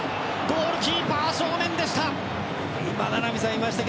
ゴールキーパー正面でした。